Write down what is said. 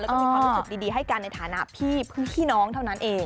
แล้วก็มีความรู้สึกดีให้กันในฐานะพี่น้องเท่านั้นเอง